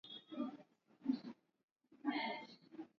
kutofanilikiwa kueneza Kijerumani katika makoloni yao ilibidi